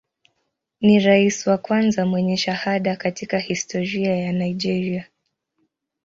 Ni rais wa kwanza mwenye shahada katika historia ya Nigeria.